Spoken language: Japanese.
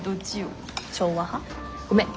ごめん